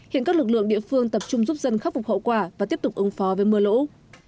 hiện các lực lượng địa phương tập trung giúp dân khắc phục hậu quả và tiếp tục ứng phó với mưa lũ